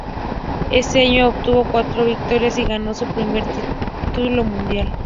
Ese año obtuvo cuatro victorias y ganó su primer título mundial.